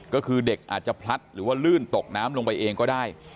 ก็คือเด็กอาจจะพลัดหรือว่าลื่นตกน้ำลงไปเองก็ได้